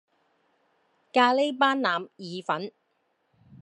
咖哩班腩意粉